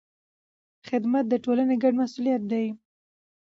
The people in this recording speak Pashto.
خدمت د ټولنې ګډ مسوولیت دی.